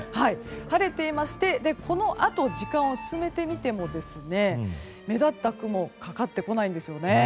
晴れていましてこのあと時間を進めてみても目立った雲かかってこないんですよね。